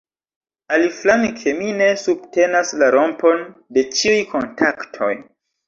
Aliflanke mi ne subtenas la rompon de ĉiuj kontaktoj.